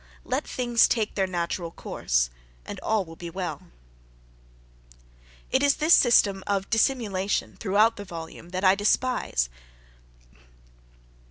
Let things take their natural course, and all will be well. It is this system of dissimulation, throughout the volume, that I despise.